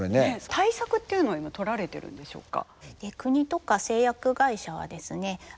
対策っていうのは今とられてるんでしょうか？